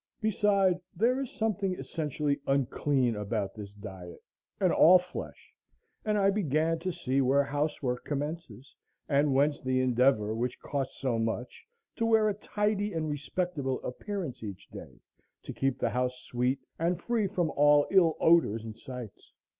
Beside, there is something essentially unclean about this diet and all flesh, and I began to see where housework commences, and whence the endeavor, which costs so much, to wear a tidy and respectable appearance each day, to keep the house sweet and free from all ill odors and sights.